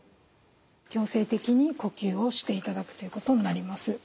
強制的に呼吸をしていただくということになります。